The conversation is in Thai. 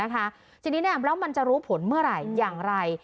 ทีนี้แล้วมันจะรู้ผลเมื่อไหร่อย่างไร